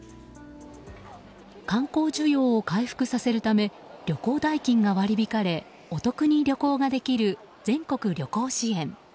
観光需要を回復させるため旅行代金が割り引かれお得に旅行ができる全国旅行支援。